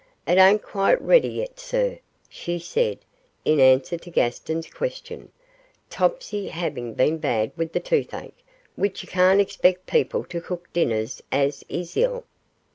'It ain't quite ready yet, sir,' she said, in answer to Gaston's question; 'Topsy 'aving been bad with the toothache, which you can't expect people to cook dinners as is ill!